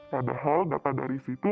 padahal data dari situ